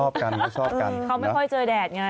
ชอบกันเขาไม่ค่อยเจอแดดไง